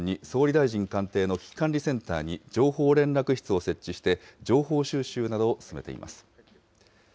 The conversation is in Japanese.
政府は午前６時４０分に、総理大臣官邸の危機管理センターに情報連絡室を設置して、情報収集など進めています。